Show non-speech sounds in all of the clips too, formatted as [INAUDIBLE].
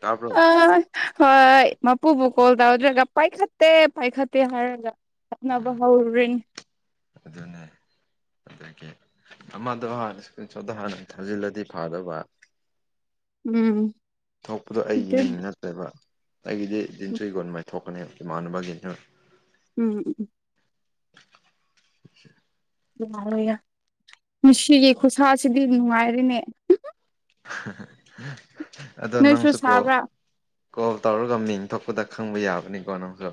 ꯇꯥꯕ꯭ꯔꯣ ꯑ ꯍꯣꯏ ꯃꯄꯨꯕꯨ ꯀꯣꯜ ꯇꯧꯗ꯭ꯔꯒ ꯄꯥꯏꯈꯠꯇꯦ ꯄꯥꯏꯈꯠꯇꯦ ꯍꯥꯏꯔꯒ ꯈꯠꯅꯕ ꯍꯧꯔꯤ ꯑꯗꯨꯗꯅꯦ ꯑꯗꯒꯤ ꯑꯃꯗ ꯍꯥꯟꯅ ꯏꯁꯀ꯭ꯔꯤꯟ ꯁꯣꯠꯇ ꯍꯥꯟꯅ ꯊꯥꯖꯤꯜꯂꯗꯤ ꯐꯥꯗꯣꯕ ꯎꯝ ꯊꯣꯛꯄꯗꯣ ꯑꯩꯒꯤ ꯃꯤꯡ ꯑꯗꯨꯅꯤ ꯅꯠꯇꯦꯕ ꯑꯩꯒꯤꯗꯤ ꯖꯤꯟꯇ꯭ꯔꯤ ꯒꯣꯟ ꯃꯥꯏ ꯊꯣꯛꯄꯅꯦ ꯏꯃꯥꯟꯅꯕꯒꯤꯅ ꯎꯝ ꯎꯝ ꯍꯝ ꯌꯥꯔꯣꯏ ꯌꯥꯔ ꯉꯁꯤꯒꯤ ꯈꯨꯠꯁꯥꯁꯤꯗꯤ ꯅꯨꯡꯉꯥꯏꯔꯤꯅꯦ꯫ [UNINTELLIGIBLE] ꯑꯗꯣ ꯅꯣꯏꯁꯨ ꯅꯪꯁꯨꯀꯣ ꯁꯥꯕ꯭ꯔꯥ ꯀꯣꯜ ꯇꯧꯔꯒ ꯃꯤꯡ ꯊꯣꯛꯄꯗ ꯈꯪꯕ ꯌꯥꯕꯅꯤꯀꯣ ꯅꯪꯁꯨ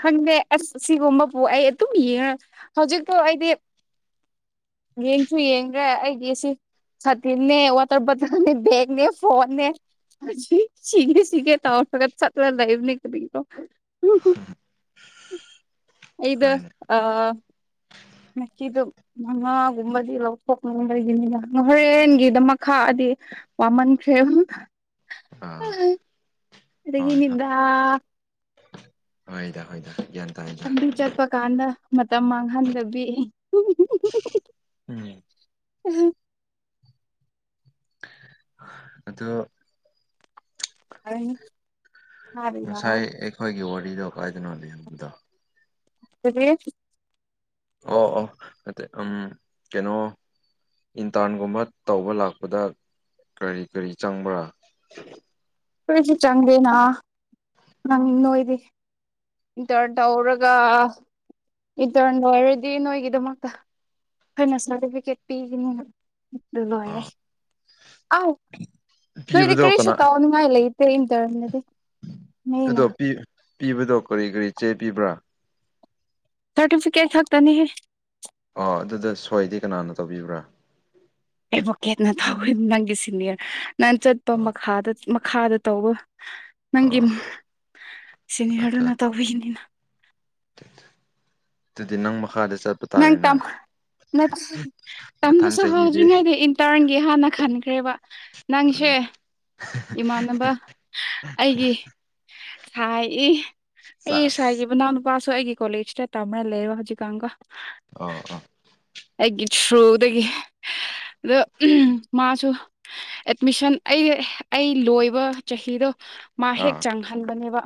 ꯈꯪꯗꯦ ꯑꯁ ꯁꯤꯒꯨꯝꯕꯄꯨ ꯑꯩ ꯑꯗꯨꯝ ꯌꯦꯡꯉ ꯍꯧꯖꯤꯛꯄꯨ ꯑꯩꯗꯤ ꯌꯦꯡꯁꯨ ꯌꯦꯡꯒ꯭ꯔꯦ ꯑꯩꯗꯤ ꯁꯤꯡ ꯁꯥꯇꯤꯟꯅꯦ ꯋꯥꯇ꯭ꯔ` ꯕꯣꯇꯜꯅꯦ ꯕꯦꯛꯅꯦ ꯐꯣꯟꯅꯦ꯫ ꯁꯤꯤ ꯁꯤꯒꯦ ꯁꯤꯒꯦ ꯇꯧꯔꯛꯄꯗ ꯆꯠꯂ ꯂꯩꯕꯅꯦ ꯃꯤꯈꯨꯗꯤꯡꯒꯤ ꯀꯣ ꯍ [UNINTELLIGIBLE] ꯑꯩꯗꯣ ꯑ ꯂꯀꯤꯗꯣ ꯃꯉꯥꯒꯨꯝꯕꯗꯤ ꯂꯧꯊꯣꯛꯅꯤꯡꯕꯒꯤꯅꯤꯗ ꯍꯣꯔꯦꯟꯒꯤꯗꯃꯛ ꯈꯥꯛꯑꯗꯤ ꯋꯥꯃꯟꯈ꯭ꯔꯦ ꯑꯥ ꯍꯣꯏ ꯑꯗꯒꯤꯅꯤꯗ ꯍꯣꯏꯗ ꯍꯣꯏꯗ ꯒ꯭ꯌꯥꯟ ꯇꯥꯏꯗ ꯂꯝꯕꯤ ꯆꯠꯄ ꯀꯥꯟꯗ ꯃꯇꯝ ꯃꯥꯡꯍꯟꯗꯕꯤ ꯎꯝ ꯎꯝ ꯑꯗꯣ ꯑꯅꯤ ꯉꯁꯥꯏ ꯑꯩꯈꯣꯏꯒꯤ ꯋꯥꯔꯤꯗꯣ ꯀꯥꯏꯗꯅꯣ ꯂꯤꯍꯟꯕꯗꯣ [UNINTELLIGIBLE] ꯑꯣ ꯑꯣ ꯎꯝ ꯀꯩꯅꯣ ꯏꯟꯇꯥꯔ꯭ꯟꯒꯨꯝꯕ ꯇꯧꯕ ꯂꯥꯛꯄꯗ ꯀꯔꯤ ꯀꯔꯤ ꯆꯪꯕ꯭ꯔꯥ ꯀꯣꯏꯁꯨ ꯆꯪꯗꯦꯅ ꯅꯪ ꯅꯣꯏꯗꯤ ꯏꯟꯇꯔꯟ ꯇꯧꯔꯒ ꯏꯟꯇꯔꯟ ꯑꯣꯏꯔꯗꯤ ꯅꯣꯏꯒꯤꯗꯃꯛꯇ ꯑꯩꯅ ꯁꯥꯔꯇꯤꯐꯤꯀꯦꯠ ꯄꯤꯒꯅꯤ ꯂꯣꯏꯔꯦ ꯑꯥ ꯑꯥꯎ ꯅꯣꯏꯗꯤ ꯄꯤꯕꯗꯣ ꯀꯔꯤꯁꯨ ꯀꯅꯥ ꯇꯧ ꯍꯥꯏꯂꯩꯇꯦ ꯏꯠꯇꯦꯔꯟ ꯗꯗꯤ ꯑꯗꯣ ꯄꯤ ꯄꯤꯕꯗꯣ ꯀꯔꯤ ꯀꯔꯤ ꯆꯦ ꯄꯤꯕ꯭ꯔꯥ ꯁꯔꯇꯤꯐꯤꯀꯦꯠ ꯈꯛꯇꯅꯤꯍꯦ ꯑꯣ ꯑꯗꯨꯗ ꯁꯣꯏꯗꯤ ꯀꯅꯥꯅ ꯇꯧꯕꯤꯕ꯭ꯔꯥ ꯑꯦꯚꯣꯀꯦꯠꯅ ꯇꯧꯋꯤ ꯅꯪꯒꯤ ꯁꯤꯅꯤꯌꯔ ꯅꯪ ꯆꯠꯄ ꯑꯣ ꯃꯈꯥꯗ ꯃꯈꯥꯗ ꯇꯧꯋꯣ ꯅꯪꯒꯤ ꯑꯣ ꯁꯤꯅꯤꯌꯔꯗꯨꯅ ꯇꯧꯕꯤꯅꯤꯅ ꯗꯨꯗꯤ ꯅꯪ ꯃꯈꯥꯗ ꯆꯠ ꯅꯪ ꯇꯝ [UNINTELLIGIBLE] ꯃꯊꯪ ꯇꯝꯕꯁꯨ ꯆꯍꯤꯗꯤ ꯍꯧꯗ꯭ꯔꯤꯉꯩꯗ ꯏꯟꯇꯔꯟꯒꯤ ꯍꯥꯟꯅ ꯈꯟꯈ꯭ꯔꯦꯕ ꯅꯪꯁꯦ ꯏꯃꯥꯟꯅꯕ ꯑꯩꯒꯤ ꯁꯥꯏ ꯏ ꯑꯩ ꯁꯥꯏꯒꯤ ꯆꯥꯁ ꯃꯅꯥꯎ ꯅꯨꯄꯥꯁꯨ ꯑꯩꯒꯤ ꯀꯣꯂꯦꯖꯇ ꯇꯝꯔ ꯂꯩ ꯍꯧꯖꯤꯛꯀꯥꯟꯀꯣ ꯑꯣ ꯑꯥ ꯑꯩꯒꯤ ꯊ꯭ꯔꯨꯗꯒꯤ ꯑꯗꯣ ꯃꯥꯁꯨ ꯑꯦꯠꯃꯤꯁꯟ ꯑꯩ ꯑꯩ ꯂꯣꯏꯕ ꯆꯍꯤꯗꯣ ꯃꯥ ꯍꯦꯛ ꯆꯪꯍꯟꯕꯅꯦꯕ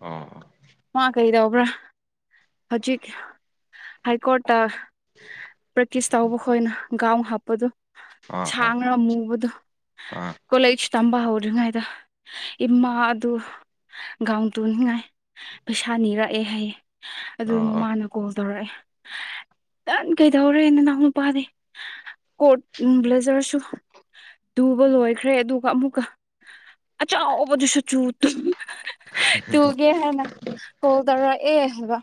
ꯑꯣ ꯃꯥ ꯀꯩꯗꯧꯕ꯭ꯔꯥ ꯍꯧꯖꯤꯛ ꯍꯥꯏ ꯀꯣꯔꯠꯇ ꯄ꯭ꯔꯦꯛꯇꯤꯁ ꯇꯧꯕ ꯈꯣꯏꯅ ꯒꯥꯎꯟ ꯍꯥꯞꯄꯗꯨ ꯑꯣ ꯑꯥ ꯑꯥ ꯁꯥꯡꯉ꯭ꯔꯥ ꯃꯨꯕꯗꯨ ꯑꯥ ꯀꯣꯂꯦꯖ ꯇꯝꯕ ꯍꯧꯗ꯭ꯔꯤꯉꯩꯗ ꯏꯃꯥ ꯑꯗꯨ ꯒꯥꯥꯎꯟ ꯇꯨꯅꯤꯉꯥꯏ ꯄꯩꯁꯥ ꯅꯤꯔꯛꯑꯦ ꯍꯥꯏꯌꯦ ꯑꯗꯨ ꯑꯣ ꯑꯣ ꯃꯃꯥꯅ ꯀꯣꯜ ꯇꯧꯔꯛꯑꯦ ꯅꯪ ꯀꯩꯗꯧꯔꯦ ꯅꯅꯥꯎ ꯅꯨꯄꯥꯗꯤ ꯀꯣꯠ ꯕ꯭ꯂꯦꯖꯔꯁꯨ ꯇꯨꯕ ꯂꯣꯏꯈ꯭ꯔꯦ ꯑꯗꯨꯒ ꯑꯃꯨꯛꯀ ꯑꯆꯥꯎꯕꯗꯨꯁꯨ ꯆꯨ ꯇꯨ ꯇꯨꯒꯦ ꯍꯥꯏꯅ ꯀꯣꯜ ꯇꯧꯔꯛꯑꯦ ꯍꯥꯏꯕ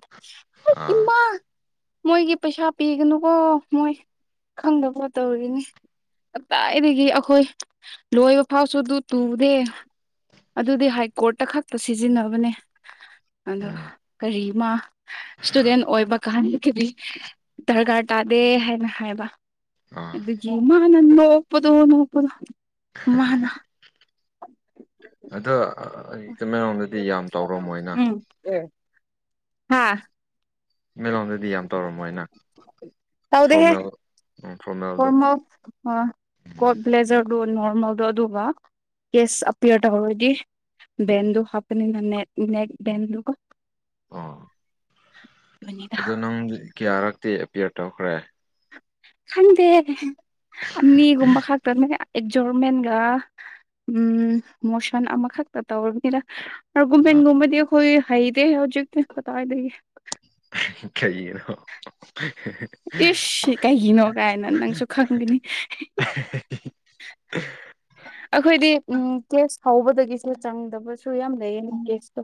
ꯑꯥ ꯏꯃꯥ ꯃꯣꯏꯒꯤ ꯄꯩꯁꯥ ꯄꯤꯒꯅꯨꯀꯣ ꯃꯣꯏ ꯈꯪꯗꯕꯣ ꯇꯧꯔꯤꯅꯤ ꯀꯗꯥꯏꯗꯒꯤ ꯑꯈꯣꯏ ꯂꯣꯏꯕ ꯐꯥꯎꯁꯨ ꯗꯨ ꯇꯨꯗꯦ ꯑꯗꯨꯗꯤ ꯍꯥꯏ ꯀꯣꯔꯠꯇ ꯈꯛꯇ ꯁꯤꯖꯤꯟꯅꯕꯅꯦ ꯑꯗꯣ ꯎꯝ ꯀꯔꯤꯃ ꯏꯁꯇꯨꯗꯦꯟ ꯑꯣꯏꯕ ꯀꯥꯟꯗꯒꯤꯗꯤ ꯗꯔꯀꯥꯔ ꯇꯥꯗꯦ ꯍꯥꯏꯅ ꯍꯥꯏꯕ ꯑꯥ ꯑꯗꯨꯒꯤ ꯃꯥꯅ ꯅꯣꯛꯄꯗꯣ ꯅꯣꯛꯄꯗꯣ ꯃꯥꯅ ꯑꯗꯣ ꯑ ꯑ ꯑ [UNINTELLIGIBLE] ꯇꯥꯃꯦꯔꯣꯡꯗꯗꯤ ꯌꯥꯝ ꯇꯧꯔꯝꯃꯣꯏꯅ ꯑꯦ ꯍꯥ [UNINTELLIGIBLE] ꯂꯣꯝꯗꯗꯤ ꯌꯥꯝ ꯇꯧꯔꯝꯃꯣꯏꯅ ꯇꯧꯗꯦꯍꯦ ꯐꯣꯔꯃꯦꯜ ꯎꯝ ꯐꯣꯔꯃꯦꯜ ꯐꯣꯔꯃꯦꯜ ꯍ ꯀꯣꯠ ꯕ꯭ꯂꯦꯖꯔꯗꯨ ꯅꯣꯔꯃꯦꯜꯗꯣ ꯑꯗꯨꯒ ꯀꯦꯁ ꯑꯄꯤꯌꯔ ꯇꯧꯔꯗꯤ ꯕꯦꯟꯗꯨ ꯍꯥꯞꯄꯅꯤꯅ ꯅꯦꯠ ꯅꯦꯛ ꯕꯦꯟꯗꯨꯀꯣ ꯑꯣ ꯑꯗꯣ ꯅꯪꯗꯤ ꯀꯌꯥꯔꯛꯇꯤ ꯑꯦꯄꯤꯌꯔ ꯇꯧꯈ꯭ꯔꯦ ꯈꯪꯗꯦ ꯑꯅꯤꯒꯨꯝꯕ ꯈꯛꯇꯅꯦ ꯑꯦꯛꯖꯣꯔꯃꯦꯟꯒ ꯎꯝ ꯃꯣꯁꯟ ꯑꯃꯈꯛꯇ ꯇꯧꯔꯕ [UNINTELLIGIBLE] ꯅ ꯑ ꯑꯔꯒꯨꯃꯦꯟꯒꯨꯝꯕꯗꯤ ꯑꯩꯈꯣꯏ ꯍꯩꯇꯦ ꯍꯧꯖꯤꯛꯇꯤ ꯀꯗꯥꯏꯗꯒꯤ ꯀꯩꯒꯤꯅꯣ [UNINTELLIGIBLE] ꯏꯁ ꯀꯩꯒꯤꯅꯣ ꯀꯥꯏꯅ ꯅꯪꯁꯨ ꯈꯪꯒꯅꯤ [INAUDIBLE] ꯑꯩꯈꯣꯏꯗꯤ ꯎꯝ ꯀꯦꯁ ꯍꯧꯕꯗꯒꯤꯁꯨ ꯆꯪꯗꯕꯁꯨ ꯌꯥꯝ ꯂꯩꯌꯦ ꯀꯦꯁꯇꯣ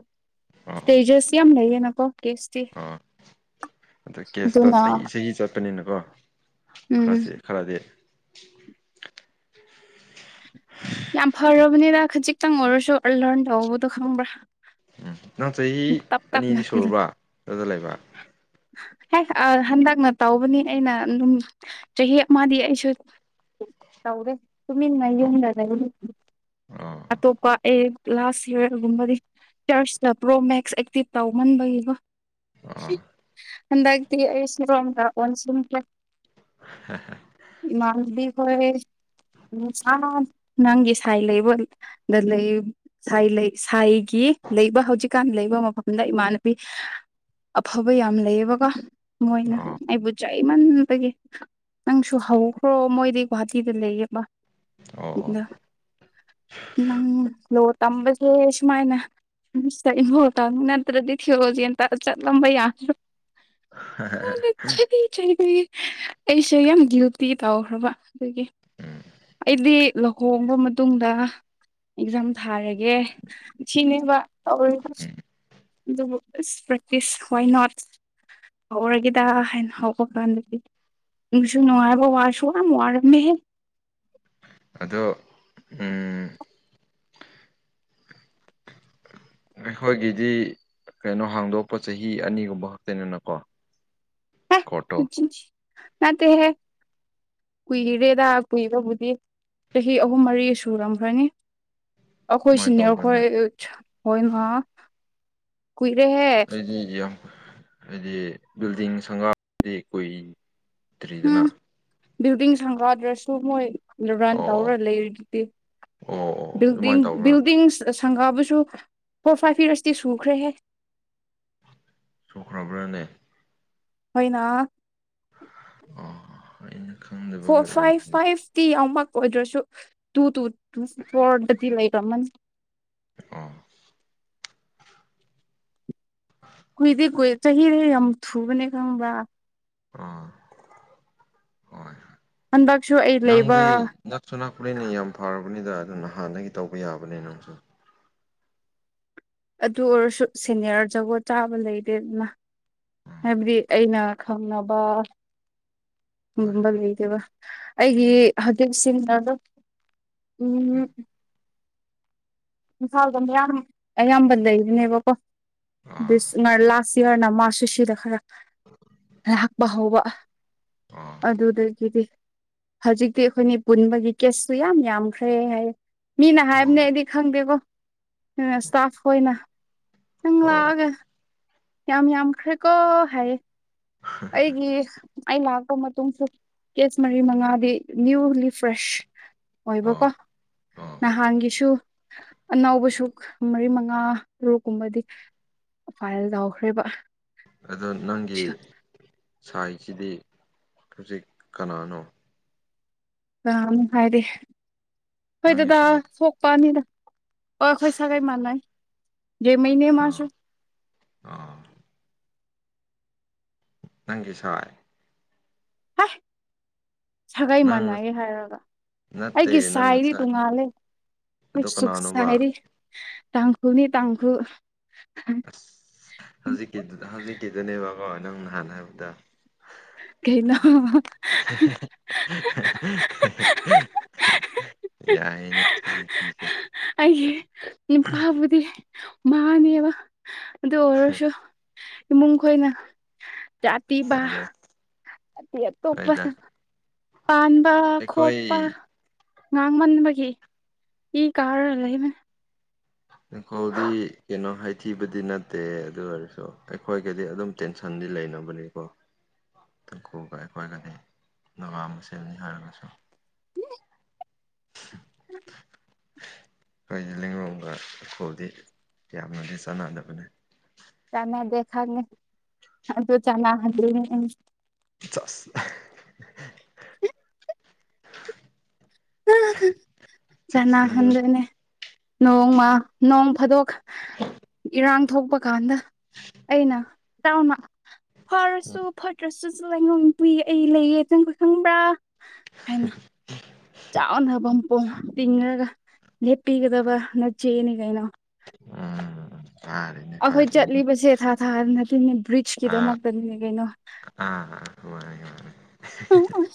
ꯏꯁꯇꯦꯖꯦꯁ ꯌꯥꯝ ꯂꯩꯌꯦꯅꯀꯣ ꯀꯦꯁ ꯑꯥ ꯑꯗ ꯀꯦꯁꯇꯣ ꯑꯗꯨꯅ ꯆꯍꯤ ꯆꯍꯤ ꯆꯠ ꯆꯠꯄꯅꯤꯅꯀꯣ ꯎꯝ ꯈꯔꯁꯤ ꯈꯔꯗꯤ ꯌꯥꯝ ꯐꯔꯕꯅꯤꯗ ꯈꯖꯤꯛꯇꯪ ꯑꯣꯏꯔꯁꯨ ꯂꯔꯟ ꯇꯧꯕꯗꯣ ꯈꯪꯕ꯭ꯔꯥ ꯎꯝ ꯅꯪ ꯆꯍꯤ ꯇꯞ ꯑꯅꯤꯗꯤ ꯇꯞꯅ ꯁꯨꯔꯕ ꯑꯗꯨꯗ ꯂꯩꯕ [INAUDIBLE] ꯍꯦ ꯑ ꯍꯟꯗꯛꯅ ꯇꯧꯕꯅꯤ ꯑꯩꯅ ꯑꯗꯨꯝ ꯆꯍꯤ ꯑꯃꯗꯤ ꯑꯩꯁꯨ ꯇꯧꯔꯤ ꯇꯨꯃꯤꯟꯅ ꯌꯨꯝꯗ ꯂꯩꯕꯒꯤ ꯑ ꯑꯇꯣꯞꯄ ꯑꯦ ꯂꯥꯁ ꯌꯥꯔ ꯒꯨꯝꯕꯗꯤ ꯆꯔꯆꯁ ꯆꯠꯄ꯭ꯔꯣ ꯃꯦꯛꯁ ꯑꯦꯛꯇꯤꯞ ꯇꯧꯃꯟꯕꯒꯤꯀꯣ ꯑꯣ ꯍꯟꯗꯛꯇꯤ ꯑꯩꯁꯨ ꯔꯣꯝꯗ ꯑꯣꯟꯁꯤꯟ ꯈ꯭ꯔꯦ [INAUDIBLE] ꯏꯃꯥꯟꯅꯕꯤ ꯍꯣꯏ ꯅꯨꯡꯁꯥ ꯅꯪꯒꯤ ꯁꯥꯏ ꯂꯩꯕꯣꯏ ꯅꯠ ꯂꯩꯌꯦ ꯁꯥꯏ ꯂꯩ ꯁꯥꯏꯒꯤ ꯂꯩꯕ ꯍꯧꯖꯤꯛꯀꯥꯟ ꯂꯩꯕ ꯃꯐꯝꯗ ꯏꯃꯥꯟꯅꯕꯤ ꯑꯐꯕ ꯌꯥꯝ ꯂꯩꯌꯦꯕꯀꯣ ꯃꯣꯏꯅ ꯑꯣ ꯑꯩꯕꯨ ꯆꯩꯩꯃꯟꯕꯒꯤ ꯅꯪꯁꯨ ꯍꯧꯈ꯭ꯔꯣ ꯃꯣꯏꯗꯤ ꯒꯨꯍꯥꯇꯤꯗ ꯂꯩꯌꯦꯕ ꯑꯣ ꯑꯣ [UNINTELLIGIBLE] ꯅꯪ ꯂꯣ ꯇꯝꯕꯁꯦ ꯁꯨꯃꯥꯏꯅ [UNINTELLIGIBLE] ꯇ ꯏꯕꯣ ꯇꯝ ꯅꯠꯇ꯭ꯔꯗꯤ ꯊꯤꯑꯣꯖꯦꯟꯇ ꯆꯠꯂꯝꯕ ꯌꯥꯈꯤꯔꯣꯏ [UNINTELLIGIBLE] [UNINTELLIGIBLE] ꯗꯤ ꯑꯩꯁꯦ ꯌꯥꯝ ꯗ꯭ꯌꯨꯇꯤ ꯇꯧꯈ꯭ꯔꯕ ꯑꯗꯨꯒꯤ ꯑꯩꯗꯤ ꯂꯨꯍꯣꯡꯕ ꯃꯇꯨꯡꯗ ꯑꯦꯛꯖꯥꯝ ꯊꯥꯔꯒꯦ ꯁꯤꯅꯦꯕ ꯇꯧꯔꯤ ꯑꯗꯨꯕꯨ ꯏꯁ ꯄ꯭ꯔꯦꯛꯇꯤꯁ ꯋꯥꯏ ꯅꯣꯠ ꯍꯧꯔꯒꯦꯗ ꯍꯥꯏꯅ ꯍꯧꯕ ꯀꯥꯟꯗꯗꯤ ꯅꯨꯡꯁꯨ ꯅꯨꯡꯉꯥꯏꯕ ꯋꯥꯔꯁꯨ ꯌꯥꯝ ꯋꯥꯔꯝꯅꯤ ꯍꯦ ꯑꯗꯣ ꯎꯝ ꯑꯩꯈꯣꯏꯒꯤꯗꯤ ꯀꯩꯅꯣ ꯍꯥꯡꯗꯣꯛꯄ ꯆꯍꯤ ꯑꯅꯤꯒꯨꯝꯕ ꯈꯛꯇꯅꯤꯅꯀꯣ ꯀꯣꯔꯠꯇꯣ ꯑꯆꯥ ꯅꯠꯇꯦ ꯍꯦ ꯀꯨꯏꯔꯦꯗ ꯀꯨꯏꯕꯕꯨꯗꯤ ꯆꯍꯤ ꯑꯍꯨꯝ ꯃꯔꯤ ꯁꯨꯔꯝꯈ꯭ꯔꯅꯤ ꯑꯈꯣꯏ ꯑꯗꯨꯃꯥꯏꯅ ꯁꯨꯅꯦ ꯇꯧꯕ꯭ꯔꯅꯦ ꯑꯈꯣꯏ ꯑ ꯈꯣꯏꯅ ꯀꯨꯏꯔꯦꯍꯦ ꯑꯩꯗꯤ ꯌꯥꯝ ꯍꯥꯏꯗꯤ ꯕꯤꯜꯗꯤꯡ ꯁꯪꯒꯥꯕꯗꯤ ꯀꯨꯏ ꯗ꯭ꯔꯤꯗꯅ ꯎꯝ ꯕꯤꯜꯗꯤꯡ ꯁꯪꯒꯥꯗ꯭ꯔꯁꯨ ꯃꯣꯏ ꯔꯨꯔꯥꯟ ꯑꯣ ꯑꯣ ꯇꯧꯔ ꯂꯩꯔꯤꯗꯨꯗꯤ ꯑꯣ ꯑꯣ ꯑꯣ ꯕꯤꯜꯗꯤꯡ ꯑꯗꯨꯃꯥꯏꯅ ꯇꯧꯕ꯭ꯔꯥ ꯕꯤꯜꯗꯤꯡ ꯁ ꯑ ꯁꯪꯒꯥꯕꯁꯨ ꯐꯣꯔ ꯐꯥꯏꯚ ꯌꯥꯔꯁꯇꯤ ꯁꯨꯈ꯭ꯔꯦꯍꯦ ꯁꯨꯈ꯭ꯔꯥꯕ꯭ꯔꯥ ꯅꯦ ꯍꯣꯏꯅ ꯑꯣ ꯑꯩꯅ ꯈꯪꯗꯕꯒꯤ ꯑꯣꯏꯔꯝꯅꯤ ꯇꯤ ꯌꯥꯎꯃꯛ ꯑꯣꯏꯗ꯭ꯔꯁꯨ ꯇꯨ ꯇꯨ ꯇꯨ ꯐꯣꯔꯗꯗꯤ ꯂꯩꯔꯝꯃꯅꯤ ꯑꯣ ꯀꯨꯏꯗꯦ ꯀꯨꯏ ꯆꯍꯤꯗꯦ ꯌꯥꯝ ꯊꯨꯕꯅꯦ ꯈꯪꯕ꯭ꯔꯥ ꯑ ꯍꯣꯏ ꯍꯟꯗꯛꯁꯨ ꯑꯩ ꯂꯩꯕ ꯅꯪꯗꯤ ꯅꯛꯁꯨ ꯅꯛꯄꯅꯤꯅ ꯌꯥꯝ ꯐꯔꯕꯅꯤꯗ ꯑꯗꯨꯅ ꯍꯥꯟꯅꯗꯒꯤ ꯇꯧꯕ ꯌꯥꯕꯅꯦ ꯅꯪꯁꯨ ꯑꯗꯨ ꯑꯣꯏꯔꯁꯨ ꯁꯦꯅꯤꯌꯔ ꯖꯒꯣꯠ ꯆꯥꯕ ꯂꯩꯇꯦꯗꯅ ꯎꯝ ꯍꯥꯏꯕꯗꯤ ꯑꯩꯅ ꯈꯪꯅꯕ ꯍꯣꯏ ꯒꯨꯝꯕ ꯂꯩꯇꯦꯕ ꯑꯩꯒꯤ ꯍꯧꯖꯤꯛꯁꯤꯅ ꯎꯝ ꯏꯝꯐꯥꯜꯗ ꯃꯌꯥꯝ ꯑꯌꯥꯝꯕ ꯂꯩꯕꯅꯦꯕꯀꯣ ꯑꯥ ꯗꯤꯁ ꯃꯥꯏ ꯂꯥꯁ ꯄꯤꯌꯔꯅ ꯃꯥꯁꯨ ꯁꯤꯗ ꯈꯔ ꯂꯥꯛꯄ ꯍꯧꯕ ꯑꯣ ꯑꯗꯨꯗꯒꯤꯗꯤ ꯍꯧꯖꯤꯛꯇꯤ ꯑꯩꯈꯣꯏꯅꯤ ꯄꯨꯟꯕꯒꯤ ꯀꯦꯁꯁꯨ ꯌꯥꯝ ꯌꯥꯝꯈ꯭ꯔꯦ ꯍꯥꯏꯌꯦ ꯃꯤꯅ ꯍꯥꯏꯕꯅꯦ ꯑꯩꯗꯤ ꯈꯪꯗꯦꯕꯣ ꯗꯨꯅ ꯁ꯭ꯇꯥꯐ ꯍꯣꯏꯅ ꯅꯪ ꯑꯣ ꯑꯣ ꯂꯥꯛꯑꯒ ꯌꯥꯝ ꯌꯥꯝꯈ꯭ꯔꯦꯀꯣ ꯍꯥꯏꯌꯦ [INAUDIBLE] ꯑꯩꯒꯤ ꯑꯩ ꯂꯥꯛꯄ ꯃꯇꯨꯡꯁꯨ꯫ ꯀꯦꯁ ꯃꯔꯤ ꯃꯉꯥꯗꯤ ꯅ꯭ꯌꯨꯂꯤ ꯐ꯭ꯔꯦꯁ꯫ ꯑꯣꯏꯕꯀꯣ ꯑꯣ ꯑꯣ ꯅꯍꯥꯟꯒꯤꯁꯨ꯫ ꯑꯅꯧꯕꯁꯨ ꯃꯔꯤ ꯃꯉꯥ ꯇꯔꯨꯛ ꯀꯨꯝꯕꯗꯤ꯫ ꯐꯥꯏꯜ ꯇꯧꯈ꯭ꯔꯦꯕ꯫ ꯑꯗꯣ ꯅꯪꯒꯤ ꯁꯥꯏꯖꯤꯗꯤ ꯍꯧꯖꯤꯛ ꯀꯅꯥꯅꯣ꯫ ꯀꯅꯥꯅꯣ ꯍꯥꯏꯗꯤ ꯑꯈꯣꯏ ꯅꯪꯒꯤ ꯗꯥꯗ ꯁꯥꯏ ꯁꯣꯛꯄꯅꯤꯗ꯫ ꯍꯣꯏ ꯈꯣꯏ ꯁꯥꯒꯩ ꯃꯥꯟꯅꯩ ꯂꯦꯃꯩꯅꯦ ꯑꯥ ꯃꯥꯁꯨ ꯑꯥ ꯅꯪꯒꯤ ꯁꯥꯏ ꯍꯥꯏ ꯁꯥꯒꯩ ꯅꯪ ꯃꯥꯟꯅꯩ ꯍꯥꯏꯔꯒ ꯅꯠꯇꯦ ꯑꯩꯒꯤ ꯅꯪ ꯁꯥꯏꯗꯤ ꯉꯁꯥꯏ ꯇꯣꯡꯉꯥꯜꯂꯦ ꯈꯣꯏ ꯑꯗꯣ ꯁꯨꯛ ꯀꯅꯥꯅꯣꯕ ꯁꯥꯏꯔꯤ ꯇꯥꯡꯈꯨꯜꯅꯤ ꯇꯥꯡꯈꯨꯜ ꯑꯁ ꯍꯧꯖꯤꯛꯀꯤꯗꯨ ꯍꯧꯖꯤꯛꯀꯤꯗꯨꯅꯦꯕ ꯑꯃ ꯅꯪ ꯅꯍꯥꯟ ꯍꯥꯏꯕꯗꯣ ꯀꯩꯅꯣ [UNINTELLIGIBLE] ꯌꯥꯏꯒꯦꯅꯦ꯫ [INAUDIBLE] ꯑꯩꯒꯤ ꯅꯨꯄꯥꯕꯨꯗꯤ ꯃꯥꯅꯦꯕ꯫ ꯑꯗꯨ ꯑꯣꯏꯔꯁꯨ ꯏꯃꯨꯡ ꯈꯣꯏꯅ ꯖꯥꯠꯇꯤꯕ꯫ ꯑꯗꯣ ꯑꯇꯩ ꯑꯇꯣꯞꯄ ꯍꯣꯏꯗ ꯄꯥꯟꯕ ꯈꯣꯠꯄ꯫ ꯑꯩꯈꯣꯏ ꯉꯥꯡꯃꯟꯕꯒꯤ꯫ E car ꯂꯩꯃꯦ꯫ ꯏꯪꯈꯣꯜꯗꯤ ꯀꯩꯅꯣ ꯍꯥꯏꯊꯤꯕꯗꯤ ꯅꯠꯇꯦ ꯑꯗꯨ ꯑꯣꯏꯔꯁꯨ ꯑꯩꯈꯣꯏꯒꯗꯤ ꯑꯗꯨꯝ꯫ ꯇꯦꯟꯁꯟꯗꯤ ꯂꯩꯅꯕꯅꯤꯀꯣ꯫ [INAUDIBLE] ꯅꯀꯨꯒ ꯑꯩꯈꯣꯏꯒꯗꯤ ꯅꯨꯄꯥ ꯃꯁꯦꯜꯅꯤ ꯍꯥꯏꯔꯒꯁꯨ꯫ [INAUDIBLE] ꯑꯩꯈꯣꯏꯒꯤ ꯂꯤꯂꯣꯡꯒ ꯏꯪꯈꯣꯜꯗꯤ ꯌꯥꯝꯅꯗꯤ ꯆꯥꯟꯅꯗꯕꯅꯤ꯫ ꯆꯅꯗꯦ ꯈꯪꯉꯤ ꯑꯗꯨꯨ ꯆꯅꯥ ꯍꯟꯗꯔꯤꯅꯦ ꯑꯩꯅꯁꯨ꯫ ꯆꯁ꯫ [INAUDIBLE] ꯆꯅꯥ ꯆꯦꯛꯁꯤꯜꯂꯨ ꯍꯟꯗꯣꯏꯅꯦ꯫ ꯅꯣꯡꯃ ꯅꯣꯡ ꯐꯥꯗꯣꯛ꯫ ꯏꯔꯥꯡ ꯊꯣꯛꯄ ꯀꯥꯟꯗ ꯑꯩꯅ ꯆꯥꯎꯅ꯫ ꯐꯔꯁꯨ ꯐꯠꯇ꯭ꯔꯁꯨ ꯂꯩꯉꯝ ꯄꯨꯨꯏꯌꯦ ꯑꯩ ꯂꯩꯌꯦ ꯆꯪꯈꯣꯏ ꯈꯪꯕ꯭ꯔꯥ꯫ ꯍꯥꯏꯅ꯫ ꯆꯥꯎꯅ ꯄꯝꯄꯣꯝ ꯇꯤꯡꯉꯒ ꯂꯦꯞꯄꯤꯒꯗꯕ ꯅꯆꯦꯅꯤ ꯀꯩꯅꯣ꯫ ꯎꯝ [UNINTELLIGIBLE] ꯑꯩꯈꯣꯏ ꯐꯔꯦꯅꯦ ꯆꯠꯂꯤꯕꯁꯦ ꯊꯥ ꯊꯥ ꯅꯠꯇꯦꯅꯦ ꯕ꯭ꯔꯤꯖꯀꯤꯗꯃꯛꯇꯅꯤꯅꯦ ꯀꯩꯅꯣ꯫ ꯑ꯫ ꯃꯥꯅꯤ ꯃꯅꯤ꯫ ꯎꯝ ꯎꯝ꯫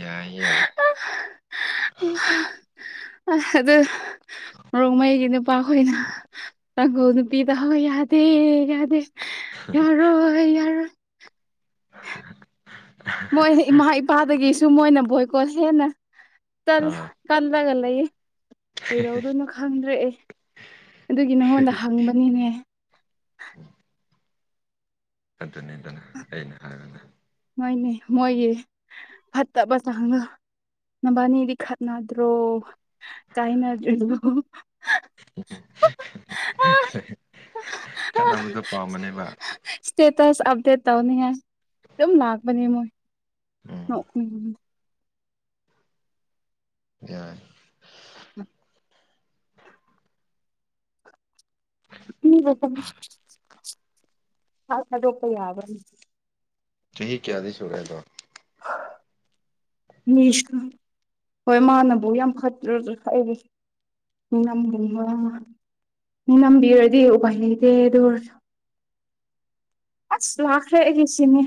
ꯌꯥꯏ ꯌꯥꯏ꯫ ꯑꯗꯨ ꯔꯣꯡꯃꯩꯒꯤ ꯅꯨꯄꯥꯈꯣꯏꯅ꯫ ꯇꯥꯡꯈꯨꯜ ꯅꯨꯄꯤꯗ ꯍꯣꯏ ꯌꯥꯗꯦ ꯌꯥꯗꯦ ꯌꯥꯔꯣꯏ ꯌꯥꯔꯣꯏ꯫ [UNINTELLIGIBLE] ꯃꯣꯏ ꯏꯃꯥ ꯏꯄꯥꯗꯒꯤꯁꯨ ꯃꯣꯏꯅ ꯕꯣꯏꯀꯣꯠ ꯍꯦꯟꯅ꯫ ꯇꯥꯜꯂ ꯑꯥ ꯇꯥꯜꯂꯒ ꯂꯩꯌꯦ ꯀꯩꯗꯧꯗꯣꯏꯅꯣ ꯈꯪꯗ꯭ꯔꯦ ꯑꯩ꯫ ꯑꯗꯨꯒꯤ ꯅꯉꯣꯟꯗ ꯍꯪꯕꯅꯤꯅꯦ꯫ ꯑꯗꯨꯅꯤꯗꯅ ꯑꯩꯅ ꯍꯥꯏꯕꯗ ꯃꯣꯏꯅꯦ ꯃꯣꯏꯒꯤ ꯐꯠꯇꯕ ꯆꯥꯡꯗꯣ ꯅꯕꯥꯅꯤꯗꯤ ꯈꯠꯅꯗ꯭ꯔꯣ ꯀꯥꯏꯅ ꯑꯗꯨꯣ ꯍ ꯈꯠꯅꯕꯗꯣ ꯄꯥꯝꯝꯕꯅꯦꯕ ꯁꯇꯦꯇꯁ ꯑꯗꯦꯠ ꯇꯧꯅꯤ ꯍꯥꯏ ꯑꯗꯨꯝ ꯂꯅꯥꯥꯛꯕꯅꯤ ꯃꯣꯏ ꯎ ꯍ ꯎꯝ ꯌꯥꯏ꯫ [INAUDIBLE] ꯏꯝꯐꯥꯜ ꯀꯗꯣꯄ ꯌꯥꯕꯅꯤ꯫ ꯆꯍꯤ ꯀꯌꯥꯗꯤꯁꯨꯨꯔꯦ ꯑꯗꯣ꯫ [UNINTELLIGIBLE] ꯃꯤꯁꯨ ꯍꯣꯏ ꯃꯥꯅꯕꯨ ꯌꯥꯝ ꯐꯠꯇ꯭ꯔ ꯍꯥꯏꯗꯤ꯫ ꯅꯪꯉꯨꯝꯕ꯫ ꯅꯝꯕꯤꯔꯗꯤ ꯎꯄꯥꯏ ꯂꯩꯇꯦ ꯑꯗꯨ ꯑꯣꯏꯔꯁꯨ꯫ ꯑꯁ ꯂꯥꯛꯈ꯭ꯔꯦ ꯑꯩꯒꯤ ꯁꯤꯅꯦ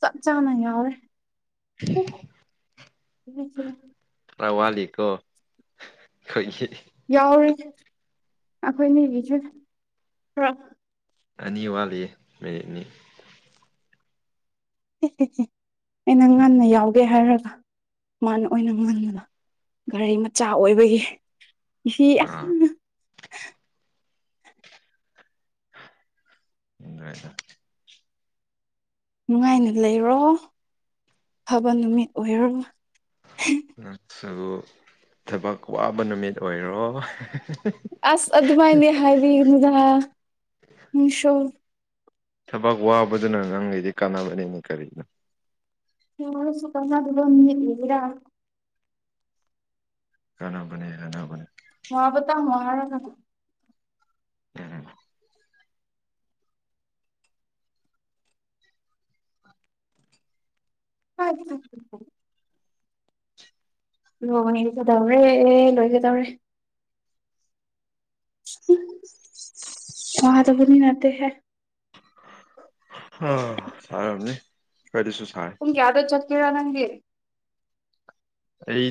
ꯆꯞ ꯆꯥꯅ ꯌꯥꯎꯔꯦ꯫ ꯎ ꯆꯅ ꯔꯋꯥꯂꯤꯀꯣ ꯑꯩꯣꯏ ꯌꯥꯎꯔꯤ ꯑꯩꯈꯣꯏꯅꯤꯒꯤꯁꯨꯔ ꯑꯅꯤ ꯋꯥꯠꯂꯤ ꯃꯤꯅꯤꯠꯅꯤ ꯑꯩꯅ ꯉꯟꯅ ꯌꯥꯎꯒ ꯀꯀꯦ ꯍꯥꯏꯔꯒ ꯃꯥꯅ ꯑꯣꯏꯅ ꯉꯜꯂꯗ ꯒꯥꯔꯤ ꯃꯆꯥ ꯑꯣꯏꯕꯒꯤ ꯁꯤꯁꯤ ꯑꯥ ꯏꯗ꯭ꯔꯁ ꯅꯨꯡꯉꯥꯏꯅ ꯂꯩꯔꯣ ꯐꯕ ꯅꯨꯃꯤꯠ ꯑꯣꯏꯔꯣ ꯅꯛꯕꯨ ꯊꯕꯛ ꯋꯥꯕ ꯅꯨꯃꯤꯠ ꯑꯣꯏꯔꯣ ꯑꯁ ꯑꯗꯨ ꯑꯗꯨꯃꯥꯏꯅꯦ ꯍꯥꯏꯕꯤ ꯅꯨꯗ ꯁꯣ ꯊꯕꯛ ꯋꯥꯕꯗꯨꯅ ꯅꯪꯉꯩꯗꯤ ꯀꯥꯟꯅꯕꯅꯦꯅ ꯀꯔꯤꯅꯣ ꯁꯨꯨ ꯀ ꯑꯗꯨꯕꯔꯥ ꯀꯥꯟꯅꯥꯕꯅꯦ ꯑꯅꯕꯅꯦ ꯃꯍꯕꯇ ꯃꯍꯥꯔ ꯅꯕꯨ ꯑꯔ ꯑ ꯑ ꯂꯣꯏꯒꯗꯧꯔꯦ ꯑꯦ ꯂꯣꯏꯒꯗꯧꯔꯦ ꯋꯥꯥ ꯇꯒꯅꯤ ꯅꯠꯇ ꯍꯥꯏ ꯑ ꯁꯝꯅꯤ ꯀꯥꯏꯁꯨ ꯍꯪ ꯌꯥꯗꯣ ꯆꯠ ꯀꯤꯔ ꯅꯪꯦ ꯑꯩ